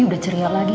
udah ceria lagi